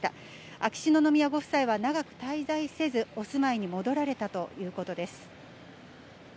秋篠宮ご夫妻は長く滞在せず、お住まいに戻られたということです。